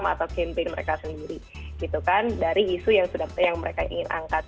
membuat program atas keimpinan mereka sendiri gitu kan dari isu yang mereka ingin angkat